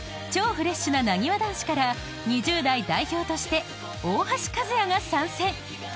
［超フレッシュななにわ男子から２０代代表として大橋和也が参戦］